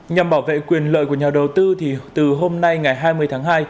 nhằm bảo vệ quyền lợi của nhà đầu tư thì từ hôm nay ngày hai mươi tháng hai